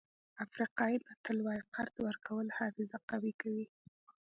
افریقایي متل وایي قرض ورکول حافظه قوي کوي.